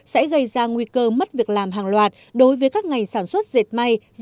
sẽ gây ra nguy cơ mất việc làm hàng loạt đối với các ngành sản xuất diệt mạng